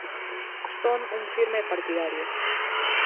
Son un firme partidario.